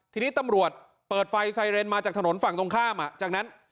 ทีนี้ตำรวจเปิดไฟไซเรนมาจากถนนฝั่งตรงข้ามจากนั้น